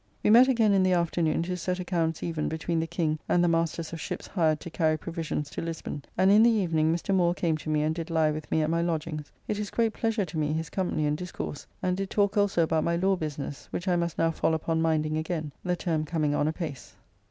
We met again in the afternoon to set accounts even between the King and the masters of ships hired to carry provisions to Lisbon, and in the evening Mr. Moore came to me and did lie with me at my lodgings. It is great pleasure to me his company and discourse, and did talk also about my law business, which I must now fall upon minding again, the term coming on apace.